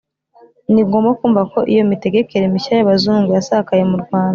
ni ngombwa kumva ko iyo mitegekere mishya y'abazungu yasakaye mu rwanda